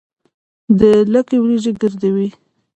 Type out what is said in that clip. د لکۍ وریجې ګردې وي.